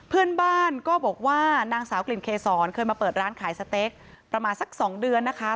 เพื่อนบ้านก็บอกว่านางสาวกลิ่นเกษรเคยมาเปิดร้านขายสเต๊กประมาณสัก๒เดือนนะคะ